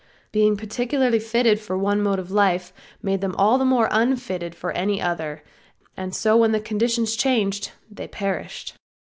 Being particularly fitted for one mode of life made them all the more unfitted for any other, and so when conditions changed they perished.